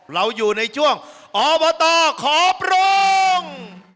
เราอยู่ในช่วงอบตขอปรุง